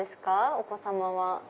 お子様は。